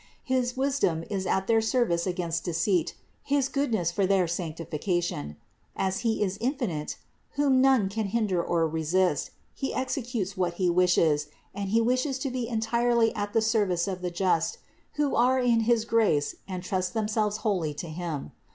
His wisdom is at their service against deceit, his goodness for their sanctification. As He is infinite, whom none can hinder or resist, He exe cutes what He wishes, and He wishes to be entirely at the service of the just, who are in his grace and trust themselves wholly to Him.